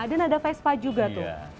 dan ada vespa juga tuh